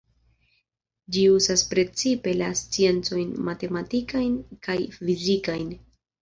Ĝi uzas precipe la sciencojn matematikajn kaj fizikajn.